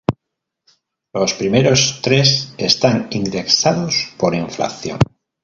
Los primeros tres están indexados por inflación.